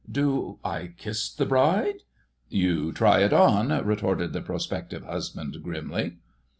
Do I kiss the bride...?" "You try it on," retorted the prospective husband grimly.